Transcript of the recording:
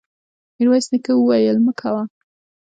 ميرويس نيکه وويل: مه کوه!